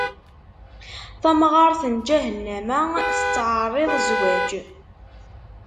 Tamɣaṛt n lǧahennama, tettɛeṛṛiḍ zzwaǧ.